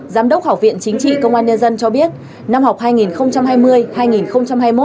giám đốc học viện chính trị công an nhân dân cho biết năm học hai nghìn hai mươi hai nghìn hai mươi một